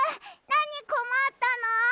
なにこまったの？